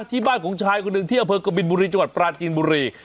ที่บ้านของชายคนหนึ่งที่อำเภอกบินบุรีจังหวัดปราจีนบุรี